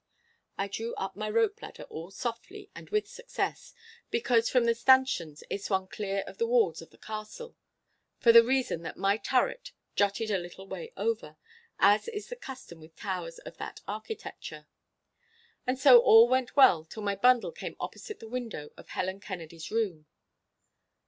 I drew up my rope ladder all softly and with success, because from the stanchions it swung clear of the walls of the castle, for the reason that my turret jutted a little way over, as is the custom with towers of that architecture. And so all went well till my bundle came opposite the window of Helen Kennedy's room.